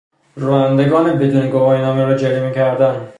رانندگان بدون گواهینامه را جریمه کردن